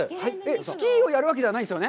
スキーをやるわけじゃないんですよね？